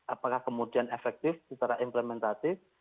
apakah kemudian efektif secara implementatif